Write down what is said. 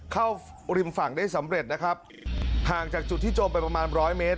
ริมฝั่งได้สำเร็จนะครับห่างจากจุดที่จมไปประมาณร้อยเมตร